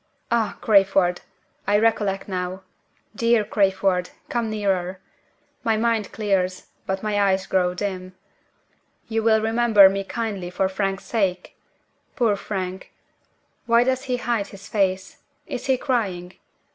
"Ah, Crayford! I recollect now. Dear Crayford! come nearer! My mind clears, but my eyes grow dim. You will remember me kindly for Frank's sake? Poor Frank! why does he hide his face? Is he crying?